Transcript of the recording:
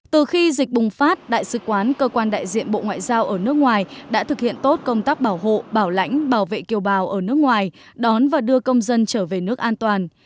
từ khi dịch bùng phát đại sứ quán cơ quan đại diện bộ ngoại giao ở nước ngoài đã thực hiện tốt công tác bảo hộ bảo lãnh bảo vệ kiều bào ở nước ngoài đón và đưa công dân trở về nước an toàn